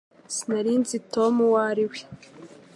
Sinari nzi Tom uwo ari we